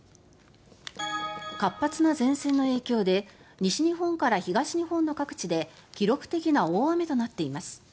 活発な前線の影響で西日本から東日本の各地で記録的な大雨となっています。